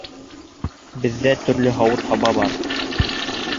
Беҙҙә төрлө һауыт-һаба бар